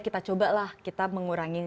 kita cobalah kita mengurangi